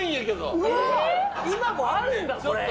今もあるんだこれ。